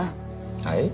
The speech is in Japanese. はい？